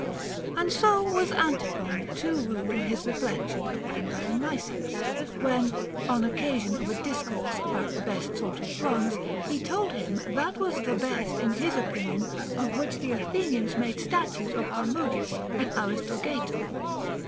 And so was Antiphon too rude in his reflection upon Dionysius, when, on occasion of a discourse about the best sort of bronze, he told him that was the best in his opinion of which the Athenians made statues of Harmodius and Aristogeiton.